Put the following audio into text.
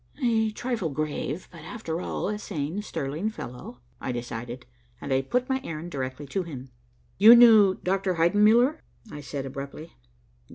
"A trifle grave but, after all, a sane, sterling fellow," I decided, and I put my errand directly to him. "You knew Dr. Heidenmuller," I said abruptly.